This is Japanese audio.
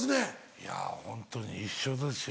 いやホントに一緒ですよ。